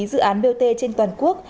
dự án bot trên toàn quốc